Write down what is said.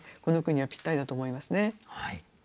この句にはぴったりだと思いますね。